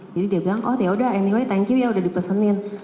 jadi dia bilang oh yaudah anyway thank you ya udah dipesenin